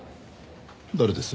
誰です？